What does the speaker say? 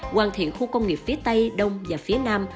hoàn thiện khu công nghiệp phía tây đông và phía nam